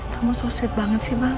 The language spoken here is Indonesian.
kamu so sweet banget sih bang